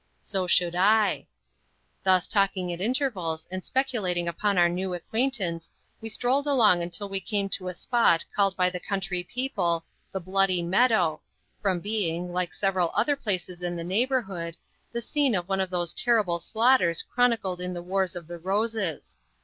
"So should I." Thus talking at intervals and speculating upon our new acquaintance, we strolled along till we came to a spot called by the country people, "The Bloody Meadow," from being, like several other places in the neighbourhood, the scene of one of those terrible slaughters chronicled in the wars of the Roses.